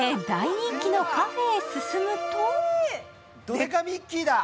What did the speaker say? でかミッキーだ！